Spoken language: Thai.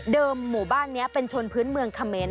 เดิมหมู่บ้านนี้เป็นชนพื้นเมืองคเมน